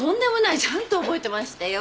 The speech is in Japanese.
ちゃんと覚えてましたよ。